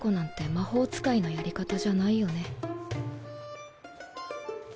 魔法使いのやり方じゃないよね。